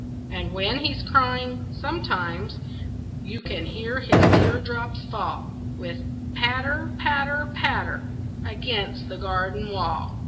And when he's crying, sometimes You can hear his teardrops fall With a patter, patter, patter, Against the garden wall.